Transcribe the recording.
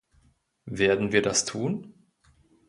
Werden wir das tun?